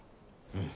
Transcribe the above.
うん。